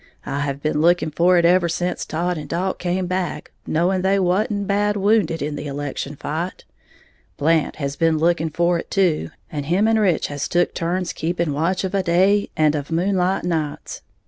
I have been looking for it ever sence Todd and Dalt come back, knowing they wa'n't bad wounded in the election fight. Blant has been looking for it, too, and him and Rich has took turns keeping watch of a day, and of moonlight nights.